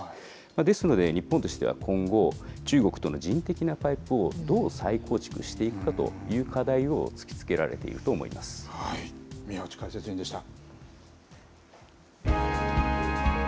ですので、日本としては今後、中国との人的なパイプをどう再構築していくかという課題を突きつ宮内解説委員でした。